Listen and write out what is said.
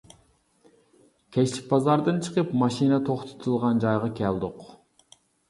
كەچلىك بازاردىن چىقىپ ماشىنا توختىتىلغان جايغا كەلدۇق.